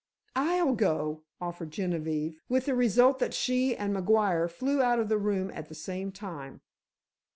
"I'll go," offered Genevieve, with the result that she and McGuire flew out of the room at the same time.